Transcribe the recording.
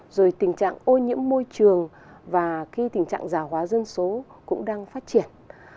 rồi tình trạng ô nhiễm môi trường và khi tình trạng giả hóa dân số cũng đang phát triển